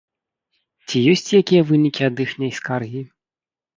Ці ёсць якія вынікі ад іхняй скаргі?